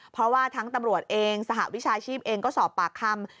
เพราะว่าทั้งตำรวจเองสหวิชาชีพเองก็สอบปากคำ